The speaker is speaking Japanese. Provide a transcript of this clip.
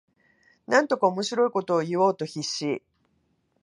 なんとか面白いことを言おうと必死